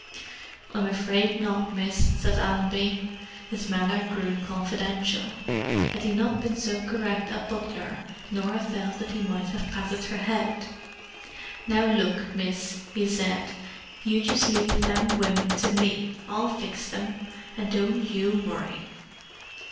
"I'm afraid not, miss," said Allenby. His manner grew confidential; had he not been so correct a butler, Norah felt that he might have patted her head. "Now look, miss," he said. "You just leave them women to me; I'll fix them. And don't you worry."